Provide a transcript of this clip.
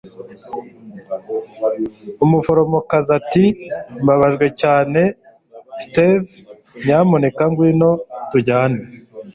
umuforomokazi ati mbabajwe cyane, steve. nyamuneka ngwino tujyane